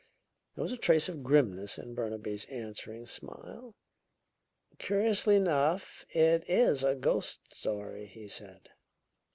There was a trace of grimness in Burnaby's answering smile. "Curiously enough, it is a ghost story," he said.